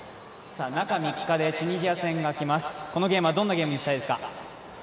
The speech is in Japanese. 中３日でチュニジア戦が来ます、このゲームはどんなゲームにしたいですか？